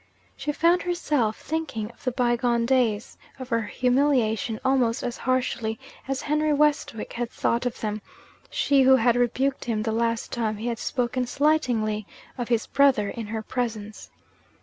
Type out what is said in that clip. She found herself thinking of the bygone days of her humiliation almost as harshly as Henry Westwick had thought of them she who had rebuked him the last time he had spoken slightingly of his brother in her presence!